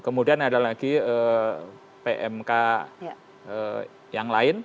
kemudian ada lagi pmk yang lain